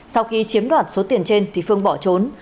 sau khi chiếm đoạt số tiền trên thì phương bỏ trốn